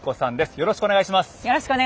よろしくお願いします。